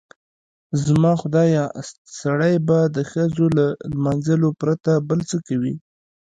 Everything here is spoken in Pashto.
زما خدایه سړی به د ښځو له لمانځلو پرته بل څه کوي؟